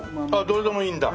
どれでもいいんだ？